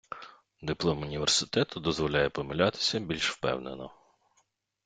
Диплом університету дозволяє помилятися більш впевнено.